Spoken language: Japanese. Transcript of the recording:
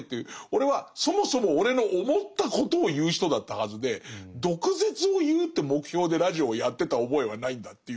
俺はそもそも俺の思ったことを言う人だったはずで毒舌を言うって目標でラジオをやってた覚えはないんだっていうんだけど